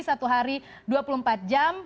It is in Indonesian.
satu hari dua puluh empat jam